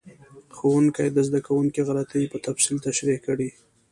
ښوونکي د زده کوونکو غلطۍ په تفصیل تشریح کړې.